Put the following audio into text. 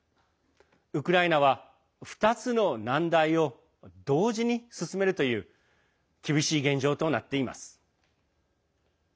ウクライナは２つの難題を同時に進めるという厳しい現状となっています。